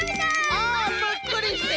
あぷっくりして！